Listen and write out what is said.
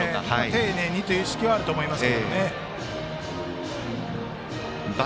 丁寧にという意識はあると思います。